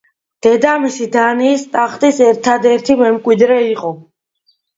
დედამისი დანიის ტახტის ერთადერთი მემკვიდრე იყო.